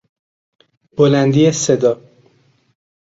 بلندی صدا